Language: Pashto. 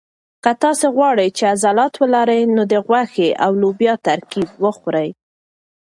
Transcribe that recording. که تاسي غواړئ چې عضلات ولرئ نو د غوښې او لوبیا ترکیب وخورئ.